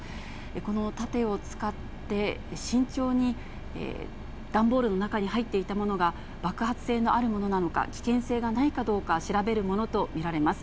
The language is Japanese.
この盾を使って、慎重に段ボールの中に入っていたものが爆発性のあるものなのか、危険性がないかどうか調べるものと見られます。